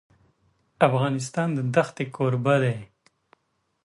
افغانستان د دښتې کوربه دی.